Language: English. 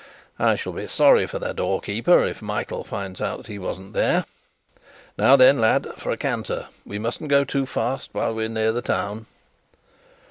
"I shall be sorry for the doorkeeper if Michael finds out that he wasn't there. Now then, lad, for a canter. We mustn't go too fast while we're near the town."